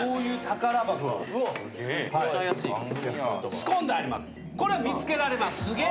仕込んであります。